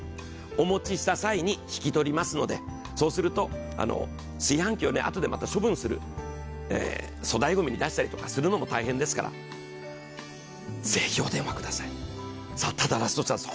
お持ちした際に引き取りますのでそうすると、炊飯器をあとでまた処分する、粗大ごみに出したりするのも大変ですから、ぜひお電話ください、ただラストチャンス。